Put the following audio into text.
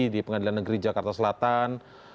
di pengadilan negeri jakarta selatan